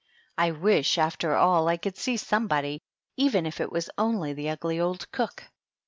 " I wish, after all, I could see somehodj^ even if it was only the ugly old cook."